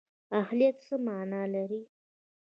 اهلیت څه مانا لري؟